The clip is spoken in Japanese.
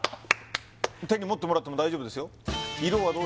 手に持ってもらっても大丈夫ですよ